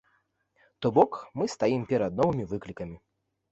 То бок мы стаім перад новымі выклікамі.